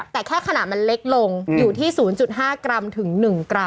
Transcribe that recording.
แต่แค่ขนาดมันเล็กลงอยู่ที่๐๕กรัมถึง๑กรัม